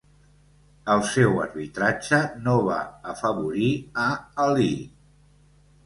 El seu arbitratge no va afavorir a Alí.